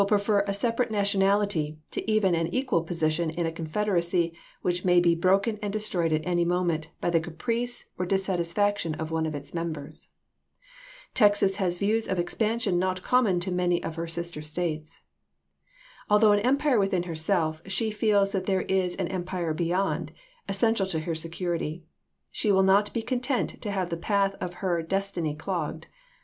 prefer a separate nationality to even an equal posi tion in a confederacy which may be broken and destroyed at any moment by the caprice or dis satisfaction of one of its members. Texas has views of expansion not common to many of her sister States. Although an empire within herself, she feels that there is an empire beyond, essential Houston to "t^ l^^i" security. She will not be content to have the jan!'7?i86i. path of her destiny clogged.